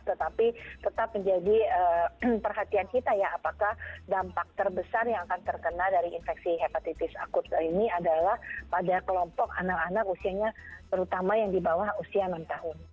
tetapi tetap menjadi perhatian kita ya apakah dampak terbesar yang akan terkena dari infeksi hepatitis akut ini adalah pada kelompok anak anak usianya terutama yang di bawah usia enam tahun